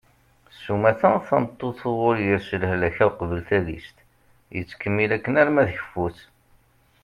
sumata tameṭṭut uɣur yers lehlak-a uqbel tadist yettkemmil akken arma d keffu-s